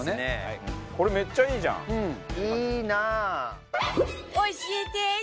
これめっちゃいいじゃん！いいな！